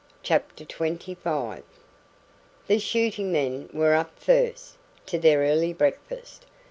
CHAPTER XXV. The shooting men were up first, to their early breakfast.